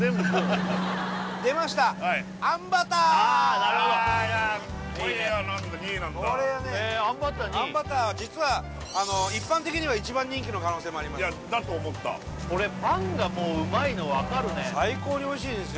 なるほど何だ２位なんだあんバター実は一般的には一番人気の可能性もありますだと思ったこれパンがもううまいの分かるね最高においしいですよ